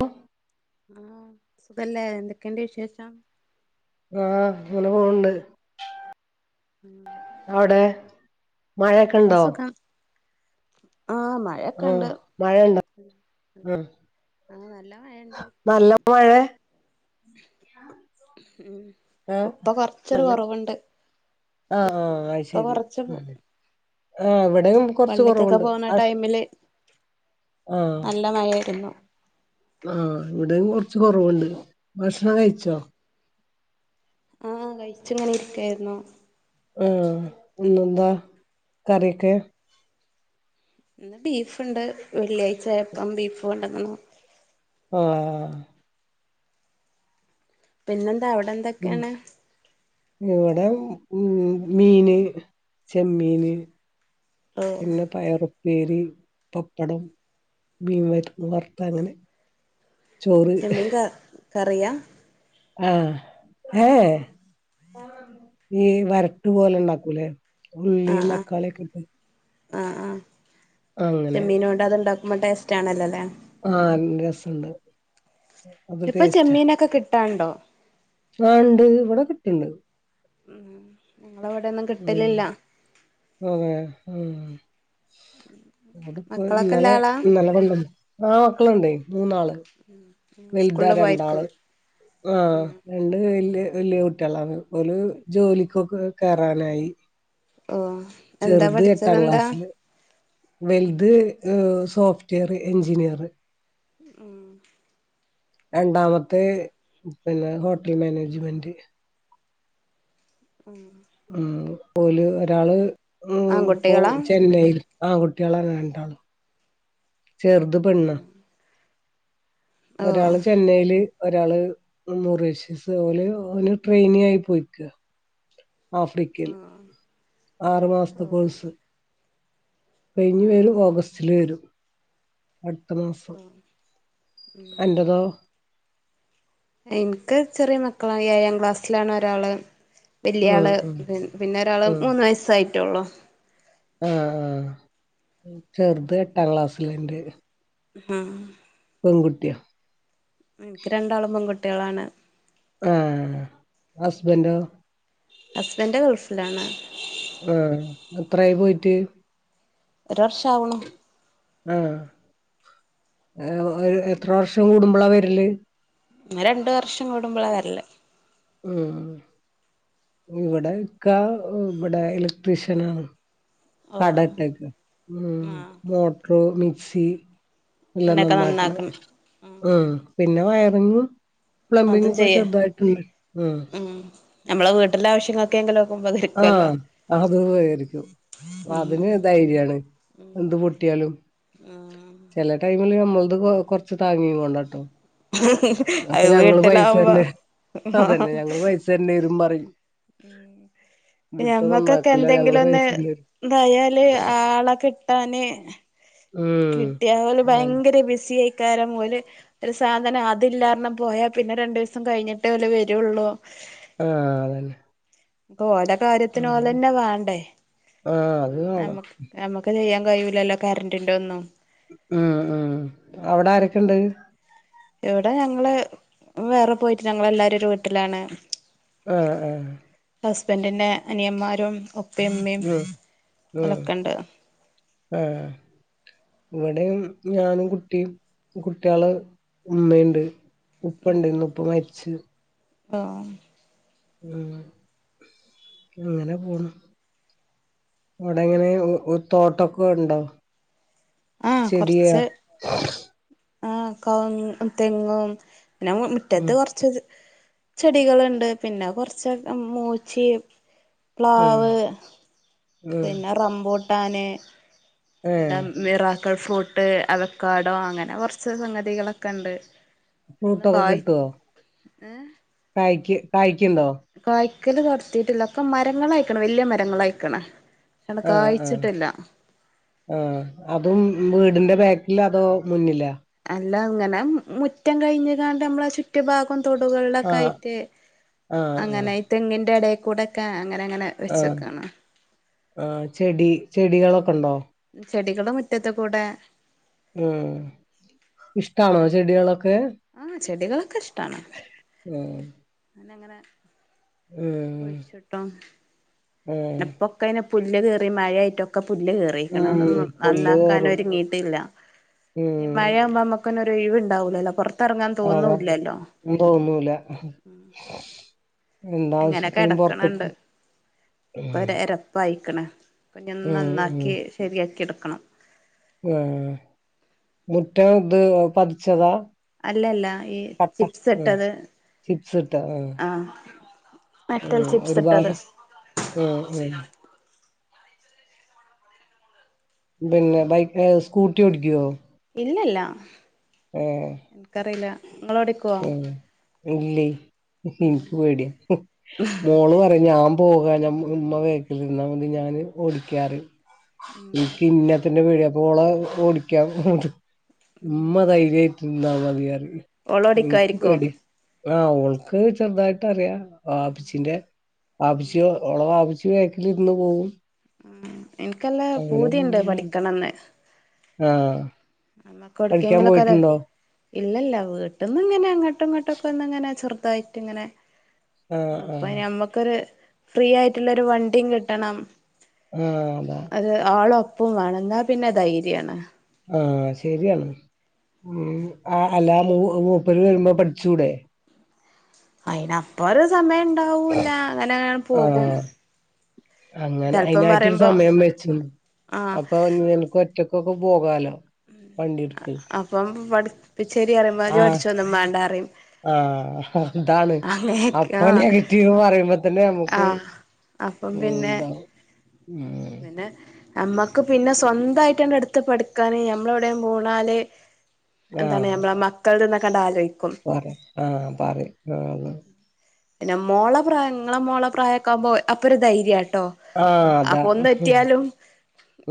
വഓ ആഹ് സുഖല്ലേ എന്തൊക്കെണ്ട് വിശേഷം ആഹ് അങ്ങനെ പോവ്ണ്ട് ഉമ് അവുടെ ഒക്കെ സുഖം ആഹ് മ ആഹ് മഴ ഉണ്ട ആഹ് ആഹ് നല്ല മഴണ്ട് [unintelligible] ഉമ് ആഹ് ഇപ്പൊ കൊറച്ചൊരു നല്ല കുറവുണ്ട് ഇ ആഹ് ആഹ് അത് ഇപ്പൊ ശരി കൊറച്ച് കു ഉം ആഹ് ഇവടെ പള്ളിക്കൊക്കെ പോകുന്ന ടൈമില് ആഹ് നല്ല മഴയിരുന്നു ആഹ് ഇവിടെയും കൊറച്ച് കുറവുണ്ട് ഭക്ഷണം കഴിച്ചോ ആഹ് കഴിച്ചങ്ങനെ ഇരിക്കായിരുന്നോ ആഹ് പിന്നെ ന്താ കറിയോക്കെ ഇന്ന് ബീഫുണ്ട് വെള്ളിയാഴ്ചയപ്പം ബീഫ് കൊണ്ടന്നുണു ആഹ് പിന്നെന്താ അവിടെ ഉം എന്തൊക്കെയാണ് ഇവിടെ മീന് ചെമ്മീന് ഓഹ് പിന്നെ പയറും പേരി, പപ്പടം, മീൻ വരുന്ന വർത്ത അങ്ങനെ ചോറ് ചെമ്മിൻ ക കറിയാ ആഹ് ഏഹ് വരട്ടു പോലെ ഉണ്ടാക്കൂലേ ഉള്ളി തക്കാളിയ ഒക്കെ ആഹ ആ അങ്ങനെ ചെമ്മീന കൊണ്ട് അത്ണ്ടാക്കുമ്പോ ടേസ്റ്റ് ആണല്ലോ ല്ലേ ആഹ് [unintelligible] ഇപ്പൊ ചെമ്മീനൊക്കെ കിട്ടാണ്ടോ? ആണ്ട് ഇവിടെ കിട്ടണ്ട് ഉ ഞങ്ങളവിടെ ഉ അതെ ആ അതിപ്പ മക്കളൊക്കെ ഇന്നലെ ഇല്ലാളാ ഇന്നലെ കൊണ്ടണ്ട് ആ മക്കളുണ്ട് മൂന്നാള് ഉം വലുത രണ്ടാള് ആഹ ഉം രണ്ട് വല്ിയ വലിയ കുട്ടികളാണ് ഒല് ജോലിക്കൊക്കെ കയറാനായി ഓ എന്താ പഠിച്ചതെന്താ വെൽത് സോഫ്റ്റ്വെയർ എഞ്ജിനീർ ഉം രണ്ടാമത്തെ പിന്നെ ഹോട്ടൽ മാനേജ്മെന്റ് ആ ഉ ഓല് ഒരാള് ഉ ഇപ്പോ ആൺകുട്ടികളാ ചെന്നൈൽ ആൺ കുട്ടികളെന്നെ രണ്ടാളും ചെറുത പെണ്ണാ ഓ ഒരാള് ചെന്നൈയില് ഒരാള് നൂറീഷെസ് പോലെന് ട്രെയിനി ആയി പോയിക്കുക ആഫ്രിക്കയിൽ ആറു മാസത്തെ കോഴ്സ് കഴിഞ്ഞു വരും ഓഗസ്റ്റില് വരും അടുത്ത മാസം അന്റതോ എനിക്ക് ചെറിയ മക്കളാണ് ഏഴാം ക്ലാസ്സിലാണ് ഒരാള് ഉം വലിയാള് ഉം പി പിന്നെ ഒരാൾ മൂന്ന് വയസ്സായിട്ടുള്ളൂ ആഹ ആഹ ചെറുത് എട്ടാം ക്ലാസ്സിലുണ്ട് ഹം പെൺകുട്ടിയൊ എനിക്ക് രണ്ടോളം പെൺകുട്ടികളാണ് ആഹ ഹസ്ബൻഡോ ഹസ്ബൻന്റെ ഗൾഫിലാണ് ആഹ എത്രായി പോയിട്ട് ഒരു വർഷം ആവ്ണോ ആഹ ഒരു എത്ര വർഷം കൂടുമ്പോളാ വരല് ഇ രണ്ടു വർഷം കൂടുമ്പോളാ വരല്ലേ ഉ ഇവിടെക്ക ഇവിടെ ഇലക്ട്രീഷ്യന ഓ കടട്ടക്ക് ഉ ആ മോട്ടർ മിക്സി ഇല്ല നന്നാക്കണം ഉം പിന്നെ വയറിങ്ങും പ്ലംബിങ് അതും ഒക്കെ ചെയ്യ ചെറുതായിട്ടുണ്ട് ആ ഉം നമ്മളെ വീട്ടിലെ ആവശ്യങ്ങ ആഹ് അത്. [unintelligible] അതിന് ഉം ധൈര്യാണ് എന്ത് പൊട്ടിയാലും. ഉം ചെല ടൈമില് ഞമ്മള്ത് കൊ കൊർച്ച് താങ്ങികൊണ്ടാണ്‌ട്ടോ. അപ്പൊ അത് ഞങ്ങള് പൈസ വീട്ടിലാവുമ്പോ തന്നെ അതന്നെ ഞങ്ങള് പൈസ തരെഡി രും പറയും ഉ ഇവിടുത്തെ ഞമ്മക്കൊക്കെ നന്നാക്കൂല ഞങ്ങള് എന്തെങ്കിലും ഒന്ന് പൈസ തരേണ്ടി വരും എന്തായാല് ആളൊക്കെ താന് ഉം കിട്ടിയാൽ അതന്നെ ഭയങ്കര ബിസിഎയ് കാരം പോലെ ഒരു സാധനം അതില്ലാണ് പറഞ്ഞു പോയാ പിന്നെ രണ്ടു ദിവസം കഴിഞ്ഞിട്ടേ ഓല് വരുള്ളൂ ആഹ അതന്നെ ഓലെ ആ കാര്യത്തിനോലെന്നെ വേണ്ടേ ആഹ് അത് കാണാം നമ്മക്ക് നമുക്ക് ചെയ്യാൻ കഴിൂല്ലല്ലോ കറന്റിന്റെ ഒന്നും ഉം ഉം അവിടെ ആരൊക്കെുണ്ട് എവിടെ ഞങ്ങള് വേറെ പോയിട്ട് ഞങ്ങള് എല്ലാരുംരു വീട്ടിലാണ് ആ ആ ഹസ്ബൻഡിന്റെ അനിയന്മാരും ഒ ഉം ഉം ആഹ് ഇവിടെ ഞാനും കുട്ടിയും കുട്ട്യാളും ഇമ്മയുണ്ട്. ഉപ്പ ണ്ടേര്ന്നു ഉപ്പ മരിച്ച്. ആഹ്. ഉം അങ്ങനെ പോണ് ഒടെങ്ങനെ ഒ തോട്ടൊക്കെ ഉണ്ടോ? ആഹ് ചെടിയാ കൊർച്ച് ആ കൗങ്ങ്, തെങ്ങും പിന്നെ ഉം മുറ്റത്ത് കൊർച്ച് ചെടികൾണ്ട് പിന്നെ കൊർച്ച് മൂച്ചിം. ഉം പ്ലാവ് ഉം പിന്നെ റമ്പൂട്ടാൻ. ന്താ ഏഹ് മിറാക്കൾ ഫ്രൂട്ട്, അവക്കാടോ അങ്ങനെ കൊർച്ച് സംഗതികളൊക്കെണ്ട്. ഫ്രൂട്ടൊക്കെ കിട്ടോ ഏഹ് കായ്ക് കായ്ക്ക്ണ്ടോ? കായ്ക്കല് തൊട്ത്തീട്ടില്ല. ഒക്കെ മരങ്ങളായ്ക്ക്ണ് വല്ല്യ മരങ്ങളായ്ക്ക്ണ്. ആഹ് ആഹ് ആഹ് അതും വീടിന്റെ ബാക്കിലാ അതോ മുന്നില. അല്ല ങ്ങനെ മ് മുറ്റം കഴിഞ്ഞ് കാണ്ട് നമ്മള ചുറ്റുാഭാ. പ്പം ആഹ് തൊടുകളിലൊക്കായിട്ട് ആഹ് ആഹ് അങ്ങനെ ഇ തെങ്ങിന്റെടേക്കു ടൊക്കെ അങ്ങനെ അങ്ങനെ. ആ വെച്ചക്കാണ് ആ ചെടി ചെടികളൊക്കൊണ്ടോ? ചെടികൾ മുറ്റത്ത് കൂടെ ഉം ഇഷ്ടാണോ അങ്ങനെ ചെടികളൊക്കെ ആഹ് ചെടികളൊക്കെ ആ അന്നങ്ങനെ ഉം ഒഴിച്ചിട്ടും ഉം പിന്നെ ഇപ്പൊക്കെങ്ങനെ പുല്ല് കേറി മയായിട്ടൊക്കെ പുല്ല് കേറി. ഉപയോഗിക്ക്ണ ഉം അതൊന്നും പുല്ല് കേറും നന്നാക്കാനൊരുങ്ങീട്ടില്ല ഇ ഉം മഴാവുമ്പോ മ്മക്ക്. [unintelligible] ക്കൊന്നെ ഒരെഴുവ്ണ്ടാവൂലല്ലോ പൊർത്തെർങ്ങാൻ അതെ തോന്നൂല്ലല്ലോ. തോന്നൂല. അങ്ങനെ എന്താവശ്യത്തിനും കെടക്ക്ണ് പൊർത്ത്ക്ക്. പ്പ ആയ്ക്ക്ണ് പ്പം നി ഒന്ന് നന്നാക്കി ശരിയാക്കി എടുക്കണം. ആ മുറ്റം ഇത് പതിച്ചതാ? അല്ലല്ല ഈ കട്ട ചിപ്സ് ഉം ഇട്ടത് ചിപ്സ് ഇട്ട് ആഹ് ആ മെറ്റൽ ചിപ്സ് ഒരു ഇട്ടത് ഭാഗം ഉം ഉം പിന്നെ ബൈക്ക് സ്കൂട്ടി ഓടിക്കോ? ഇല്ലല്ല. ഏഹ്. ഇൻക്കറീല്ല നിങ്ങളോടെ ആഹ് ഇല്ലേ ഇൻക്ക് പേടിയ മോള് പറിം ഞാ. പോകാഞ്ഞാ ഉം ഉമ്മ ബാക്കിലിരുന്നാ മതി. ഞാന് ഓടിക്കാ റിം. [inaudible] കിന്നാത്തന്നെ പേടിയാ. അപ്പൊ ഓള ഓടിക്കാ, പറഞ്ഞട്ട് ഉമ്മ ധൈര്യായി എന്താ പറയാറിയും ഇന്ക്ക് ഓളോടിക്കുവായിരിക്കും പേടിയാ ആ ഓൾക്ക് ചെറുതായിട്ടറിയാ വാപ്പച്ചിന്റെ വാപ്പിച്ചി ഓള വാപിച്ചി ബേക്കിലിരുന്ന് പോവും. ഉം ഇൻക്കല്ല അങ്ങനെ പൂതിണ്ട് പോകുന്നതാണ് പഠിക്കണംന്ന് ആഹ്. അന്നക്കെ പഠിക്കാൻ ഒടുക്കേങ്കിലൊക്കെ ലേ പോയിട്ടുണ്ടോ ഇല്ലല്ല വീട്ടിന്ന്ങ്ങനെ അങ്ങട്ടും ഇങ്ങട്ടൊക്കൊന്ന് ഇങ്ങനെ ചെറുതായിട്ട് ഇങ്ങനെ. ആഹ് അപ്പം ആഹ് നമ്മക്കൊരു ഫ്രീ യായിട്ടുള്ള ഒരു വണ്ടിം കിട്ടണം. ആഹ് അതാ അത് ആൾ ഒപ്പം വാണം എന്നാ പിന്നെ ധൈര്യാണ്. ആഹ് ശരിയാണ് ഉം അ അല്ലാ മൂ മൂപ്പര് വരുമ്പോ പഠിച്ചൂടെ? അയിന് അപ്പ ഒരു സമയം ഉണ്ടാവൂല്ല അങ്ങനെങ്ങ പോകും. ആഹ് അങ്ങനെ ചെലപ്പം അയിനായിട്ടൊരു പറയുമ്പോ സമയം വെച്ചു, ആഹ് അപ്പൊ നിനക്കൊറ്റക്ക് ക്കൊക്കെ പോകാലോ വണ്ടിട്ത്ത് അപ്പം പഠിപ്പിച്ചേരി റയുമ്പോ, ജ് പഠിച്ചൊന്നും മാണ്ടാ റിം. ആ ഹ് ഹ അതാണ് അപ്പൊ ആഹ് നെഗറ്റീവ് പറയുമ്പതന്നെ നമുക് ക്ക് ആഹ് അപ്പം ഉം പിന്നെ ന്താ ഉം. പിന്നെ, നമ്മക്ക് പിന്നെ സ്വന്തായിട്ടണ്ട് എടുത്ത് പഠിക്കാന് ഞമ്മളോടേം ബൂ ണാല്. എന്താണ്, നമ്മള മക്കൾത് ന്നക ണ്ടാലോയി പറയ്, ആഹ്, പറയ്, ആഹ്. പിന്നെ മോളപ്രായ ഇങ്ങളെ മോള പ്രായൊക്കാവുമ്പോ അപ്പൊരു ധൈര്യാട്ടോ ആഹ് അതാ അപ്പൊ ഒന്നെത്തിയാലും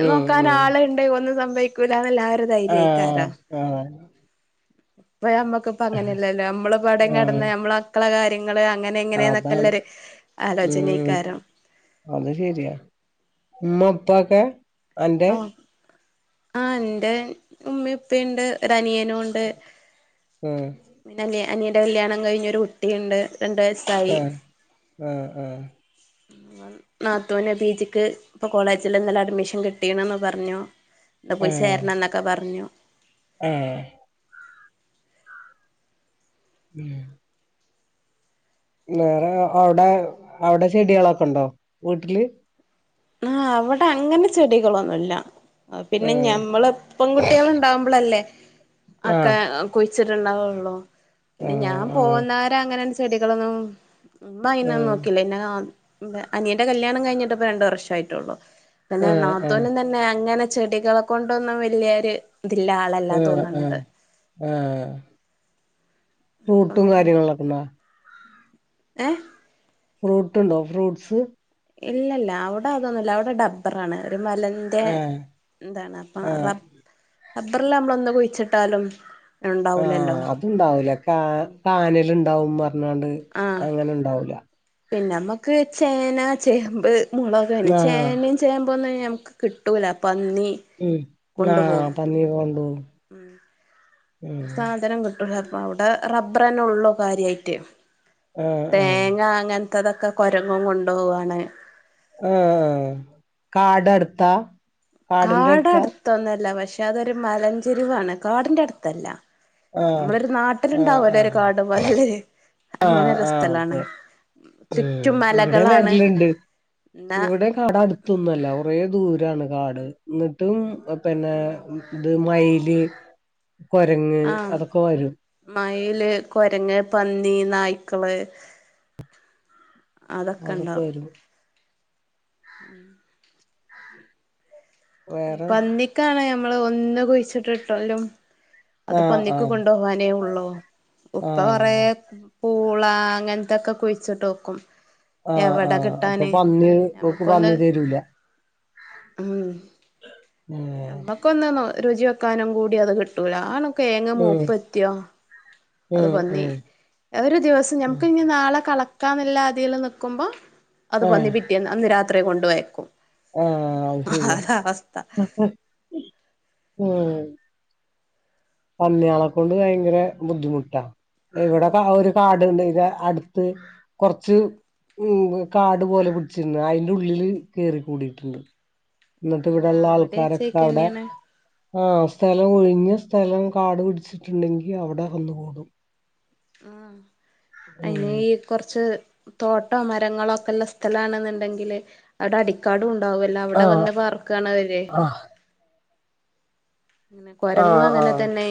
ഉം ഉം നോക്കാനാളെണ്ട് ഒന്നും സംഭവി ക്കൂടാന്ന്ള്ളാ ആ ഒരു ആഹ് ധൈര്യേക്കാരം. ആഹ് ഇപ്പ ഞമ്മക്കിപ്പങ്ങനെയല്ലല്ലോ ഞമ്മളിപ്പോ എവടേം ആഹ് കെടന്നാ ഞമ്മളാ മക്കള കാര്യങ്ങള്, അങ്ങനെ അതാണ് ഇങ്ങനേന്നൊക്കെള്ളൊര്. ഉം, അത് ശരിയാ ഉമ്മ, ഉപ്പാക്കെ? ആ ആ എൻ്റെ ഉമ്മേയുപ്പേയുണ്ട് ഒരനിയനു ഉണ് ഉം ണ്ട്, അനി അനിയൻ്റെ കല്യാണം കഴിഞ്ഞൊരു കുട്ടിണ്ട്. രണ്ട് വയസ്. ആഹ്, ആഹ്, ആഹ്. [inaudible] നാത്തൂന് പീജിക്ക് ഇപ്പൊ കോളേജിലിന്നലെ അഡ്മിഷൻ കിട്ടീണ്ന്ന് പറഞ്ഞു ട പോയി ചേരണംന്നൊക്ക പറഞ്ഞു. ഏ ഉം വേറെ അവടെ അവടെ ചെടികളൊക്കെണ്ടോ വീട്ടില് ആഹ് അവടെ അങ്ങനെ ചെടികളൊന്നുല്ല പിന്നെ ആഹ് ഞമ്മള് പെൺകുട്ടികള്ണ്ടാവുമ്പളല്ലേ അക്കേ ആഹ് അ കുഴിച്ചിട്ട്ണ്ടാവൊള്ളു പിന്നെ ഞാൻ ആഹ് പോകുന്നാരെ അങ്ങനെന്ന് ചെടികളൊന്നും ആഹ് ഉമ്മയിനൊന്നും നോക്കില്ല ഇന്ന ആ എൻ്റ അനിയന്റെ കല്യാണം കഴിഞ്ഞിട്ടിപ്പ രണ്ട് വർഷായിട്ടൊള്ളു പിന്നെ ആഹ് ആഹ് നാത്തൂനും തന്നെ അങ്ങനെ ചെടികള കൊണ്ടൊന്നും വല്യോരു ഇതില്ലാ ആഹ് ആഹ് ആഹ് അപ്പം ഫ്രൂട്ടും പിന്നെ കാര്യങ്ങളൊക്കെണ്ടാ ഏഹ് ഫ്രൂട്ട്ണ്ടോ ഫ്രൂട്ട്സ് ഇല്ലല്ല അവടെ അതൊന്നുല്ല അവടെ ഡബ്ബറാണ് ഒരു മലൻ തേ ആഹ് എന്താണ് അപ്പ ആഹ് റബ് റബ്ബറിലമ്മളൊന്ന് കുഴിച്ചിട്ടാലും ഉണ്ടാവൂലല്ലോ ആഹ് അത്ണ്ടാവൂല കാ കാനല്ണ്ടാവും പറഞ്ഞാണ്ട് ആഹ് അങ്ങനെ ഉണ്ടാവൂല പിന്നമ്മക്ക് ചേന, ചേമ്പ് മുളകയിന് ആഹ് ചേനേം ചേമ്പൊന്നും ഞമ്മക്ക് കിട്ടൂല പന്നി ഉം ആഹ് കൊണ്ടുപോകും പന്നി കൊണ്ടോവും ഉം ഒരു സാധ് സാധനം കിട്ടൂല അവിടെ റബർന്നെ ഒള്ളൂ കാര്യായിട്ട് ആഹ് ആഹ് തേങ്ങ അങ്ങനെ ത്തതൊക്കെ കുരങ്ങും കൊണ്ടു പോവാണ് ആഹ് കാട് അടുത്ത കാടടുത്തൊന്നല്ല പക്ഷെ അതൊരു മലഞ്ചെരിവാണ് കാടിന്റെ അടുത്തല്ല ആഹ് നമ്മളൊരു ആഹ് നാട്ടിലുണ്ടാവല്ലോ ഒരു ആഹ് കാട് പോലല്ലേ ആഹ് അങ്ങനെ ഒരു ആഹ് സ്ഥലാണ് അതെ ഉം ചുറ്റും ഇവടേം മലകളാണ് വരല്ണ്ട് എന്നാ ഇവടേം കാടടുത്തൊന്നു അല്ല ഒ കുറേ ദൂരാണ് കാട് ഇന്നട്ടും അ പിന്നേ ഇത് മയില് കൊരങ്ങ് ആഹ് അതൊക്ക വരും മയില്, കൊരങ്ങ്, പന്നി, നായ്ക്കള് അതൊക്കെ അതൊക്കെണ്ടാവും വരും ഉം വേറെ പന്നിക്കാണ് ഞമ്മള് ഒന്ന് കുഴിച്ചിട്ടി ട്ടാല്ലും അത് ആഹ് പന്നിക്ക് ആഹ് കൊണ്ടുപോവാനേ ഉള്ളൂ ഉപ്പ കൊറെ ആഹ് പൂള അങ്ങനത്തൊക്കെ കുഴിച്ചിട്ട് നോക്കും ആഹ് എവിടെ ആഹ് അപ്പൊ കിട്ടാന് പന്നി ഓക്ക് ഞമ്മക്കൊന്ന് പന്നി തരൂല മ്മ് ഏഹ് നക്കൊന്ന് രുചി വെക്കാനും കൂടി അത് കിട്ടൂല ആനൊക്കെ കേങ് മൂപ്പ് എത്തിയോ അത് ഉം പന്നി ഉം ഒരു ദിവസം ഉം നമുക്ക് ഞ്ഞി നാളെ കള ക്കാന്നല്ലാതില് നിക്കുമ്പോ അത് പന്നി ആഹ് പിറ്റി അന്ന് രാത്രി കൊണ്ട്പോയേക്കും ആഹ് അത് ശരിയാ ഉം പന്നിയാളെ കൊണ്ട് ഭയങ്കര ബുദ്ധിമുട്ടാ ഇവിടെക്കെ ആ ഒരു കാടുണ്ട് ഇത അടുത്ത് കൊറച്ച് ഉം കാട് പോലെ പിടിച്ചിരുന്നു അതിൻ്റെ ഉള്ളില് കേറി കൂടിട്ടുണ്ട് എന്നിട്ട് ഇവിടെള്ള ആഹ് ഇവിടെ ആൾക്കാരൊക്കെ അവിടെ അച്ചേക്കന്നെയാണ് ആഹ് സ്ഥലം ഒഴിഞ്ഞ സ്ഥലം കാട് പിടിച്ചിട്ടുണ്ടെങ്കി അവിടെ വന്നു കൂടും മ് അയിന് ഉം കുറച്ച് തോട്ടോ മരങ്ങളോ ഒക്കെ ഉള്ള സ്ഥലണെന്നുണ്ടെങ്കില് അവിടെ അടിക്കാടും ഉണ്ടാവല്ലോ അവിടെ ആഹ് വന്ന് പാർക്കാണ് അവരെ ആഹ് അങ്ങനെ കൊരങ്ങും ആഹ് അങ്ങനെ ആഹ് തന്നെ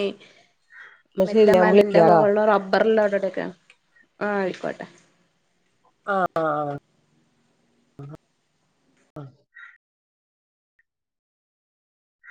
എന്നാ മെല്ല ശരി ഞാൻ മലന്റെ വിളിക്കാ ആ മുകളില് റബ്ബറിലോ അടടെക്കെയ ആഹ് ആയിക്കോട്ടെ ആഹ് ആഹ്